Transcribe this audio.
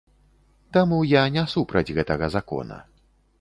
Таму я не супраць гэтага закона.